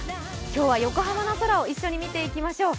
今日は横浜の空を一緒に見ていきましょう。